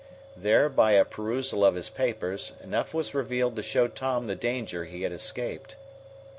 There, by a perusal of his papers, enough was revealed to show Tom the danger he had escaped.